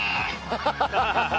・ハハハハ。